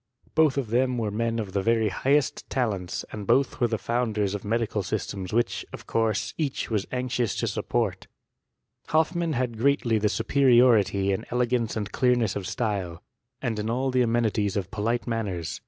Both of them were men of the very highest talents^ and botit THEOKT rS CHEMISTT. 251 #ere tbe ibimden oi medical systems which, of course, each was anxious to snpporL Hofimann had greatly the tuperionty in elegance and clearness of style, and in all the amenities of polite manners.